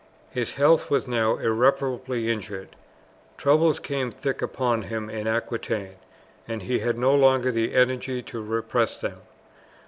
His health was now irreparably injured. Troubles came thick upon him in Aquitaine, and he had no longer the energy to repress them.